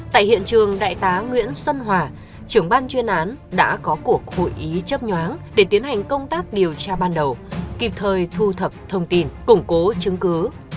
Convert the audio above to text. tại hiện trường đại tá nguyễn xuân hòa trưởng ban chuyên án đã có cuộc hội ý chấp nhoáng để tiến hành công tác điều tra ban đầu kịp thời thu thập thông tin củng cố chứng cứ